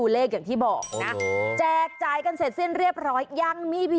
เลขเล็กเหมือนธนบัตร